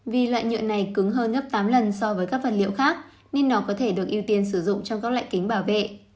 vì loại nhựa này cứng hơn gấp tám lần so với các vật liệu khác nên nó có thể được ưu tiên sử dụng trong các loại kính bảo vệ